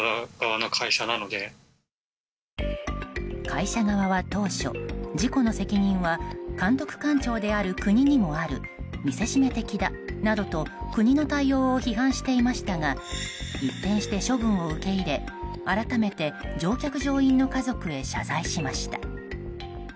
会社側は当初、事故の責任は監督官庁である国にもある見せしめ的だなどと国の対応を批判していましたが一転して処分を受け入れ改めて、乗客・乗員の家族へ謝罪しました。